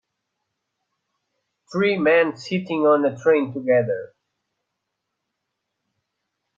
Three men sitting on a train together.